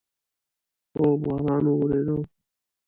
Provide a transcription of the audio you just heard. هو، باران اوورېدو